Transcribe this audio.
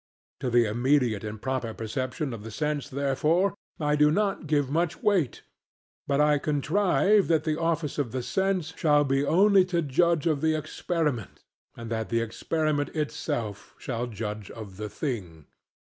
To the immediate and proper perception of the sense therefore I do not give much weight; but I contrive that the office of the sense shall be only to judge of the experiment, and that the experiment itself shall judge of the thing.